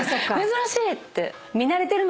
珍しい！って。